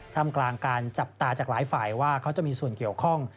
ทำกลางการจับตาจากหลายฝ่ายว่าเขาจะมีส่วนเกี่ยวข้อง